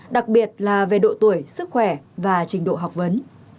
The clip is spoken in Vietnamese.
đặc biệt là về độ tuổi sức khỏe và trình độ học vấn